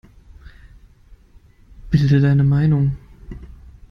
Bilde deine Meinung!